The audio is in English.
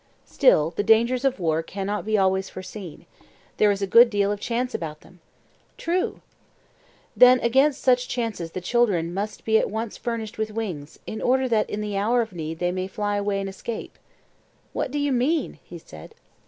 Still, the dangers of war cannot be always foreseen; there is a good deal of chance about them? True. Then against such chances the children must be at once furnished with wings, in order that in the hour of need they may fly away and escape. What do you mean? he said.